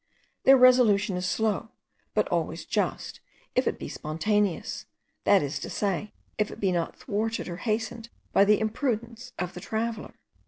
Their resolution is slow, but always just, if it be spontaneous; that is to say, if it be not thwarted or hastened by the imprudence of the traveller.